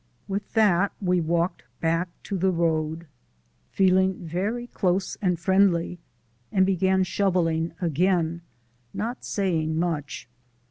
With that we walked back to the road, feeling very close and friendly and shovelling again, not saying much.